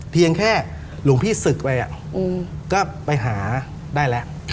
เพียงแค่หลวงพี่ศึกไปก็ไปหาได้แล้ว